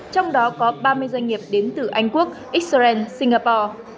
trong đó có ba mươi doanh nghiệp đến từ anh quốc israel singapore